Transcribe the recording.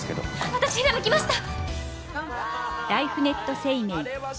私ひらめきました。